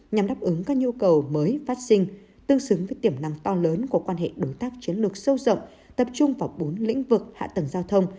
nhằm đáp ứng các nhu cầu mới phát sinh tương xứng với tiềm năng to lớn của quan hệ đối tác chiến lược sâu rộng tập trung vào bốn lĩnh vực hạ tầng giao thông